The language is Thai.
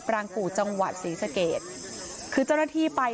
คุณผู้ชมรักกรมโมอายุห้าสิบเก้าปี